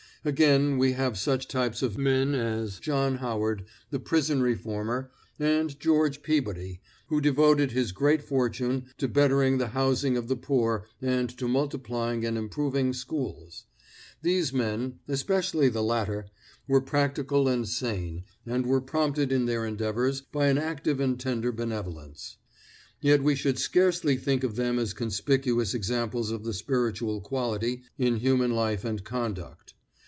Again, we have such types of men as John Howard, the prison reformer, and George Peabody, who devoted his great fortune to bettering the housing of the poor and to multiplying and improving schools. These men especially the latter were practical and sane, and were prompted in their endeavors by an active and tender benevolence. Yet we should scarcely think of them as conspicuous examples of the spiritual quality in human life and conduct.